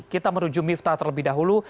kita menuju miftah terlebih dahulu